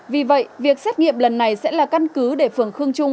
vì vậy việc xét nghiệm lần này sẽ là căn cứ để phường khương trung